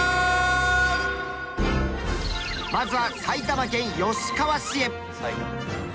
まずは埼玉県吉川市へ。